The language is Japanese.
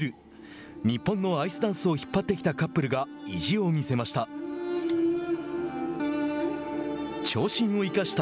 日本のアイスダンスを引っ張ってきたカップルが意地を見せました。